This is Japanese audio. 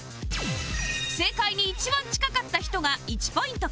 正解に一番近かった人が１ポイント獲得